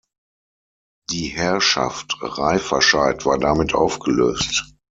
Die Herrschaft Reifferscheid war damit aufgelöst.